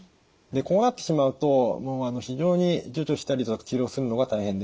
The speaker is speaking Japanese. でこうなってしまうともう非常に除去したり治療するのが大変です。